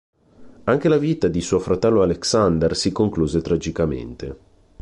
Anche la vita di suo fratello Alexander si concluse tragicamente.